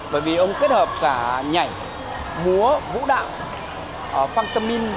bởi vì ông kết hợp cả nhảy múa vũ đạo phang tâm minh